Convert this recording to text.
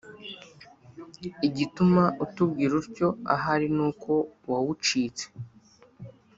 igituma utubwira utyo, ahari ni uko wawucitse